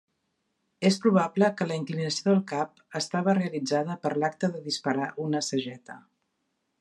És probable que la inclinació del cap estava realitzada per l'acte de disparar una sageta.